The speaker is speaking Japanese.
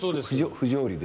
不条理で。